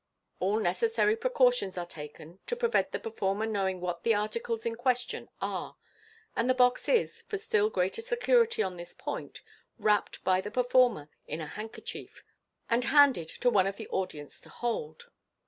All necessary precautions are taken to prevent the per former knowing what the articles in question are, and the box is, for still greater security on this point, wrapped by the performer in a handkerchief, and handed to one of the audience to hold.